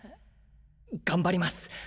頑張ります